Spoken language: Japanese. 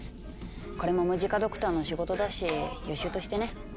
これもムジカドクターの仕事だし予習としてね。